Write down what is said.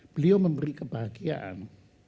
beliau memberi kebahagiaan